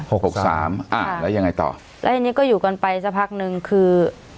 หกหกสามอ่าแล้วยังไงต่อแล้วทีนี้ก็อยู่กันไปสักพักหนึ่งคือ